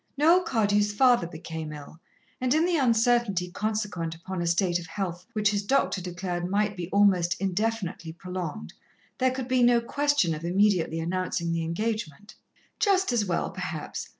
Noel Cardew's father became ill, and in the uncertainty consequent upon a state of health which his doctor declared might be almost indefinitely prolonged, there could be no question of immediately announcing the engagement. "Just as well, perhaps.